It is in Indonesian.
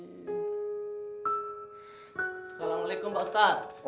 assalamu'alaikum pak ustadz